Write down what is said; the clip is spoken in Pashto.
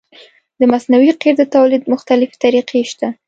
د مصنوعي قیر د تولید مختلفې طریقې شته